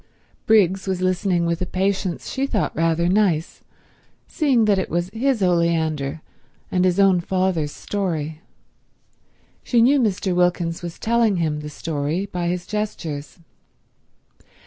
Briggs was listening with a patience she thought rather nice, seeing that it was his oleander and his own father's story. She knew Mr. Wilkins was telling him the story by his gestures.